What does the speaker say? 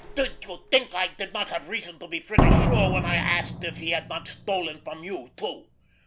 "Did you think I did not have reason to be pretty sure when I asked if he had not stolen from you, too?"